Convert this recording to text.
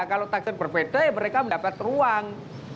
kalau taksir berbeda ya mereka mendapat ruang